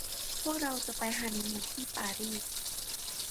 พวกเราจะไปฮันนีมูนที่ปารีส